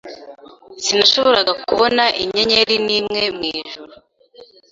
Sinashoboraga kubona inyenyeri nimwe mwijuru.